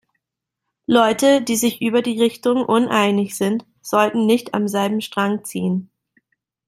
Leute, die sich über die Richtung uneinig sind, sollten nicht am selben Strang ziehen.